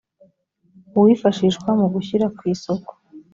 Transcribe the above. uwifashishwa mu gushyira ku isoko